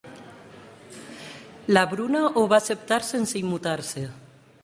La Bruna ho va acceptar sense immutar-se.